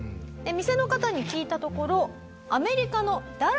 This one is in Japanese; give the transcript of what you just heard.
店の方に聞いたところ。